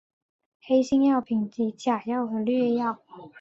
黑心药品即假药和劣药。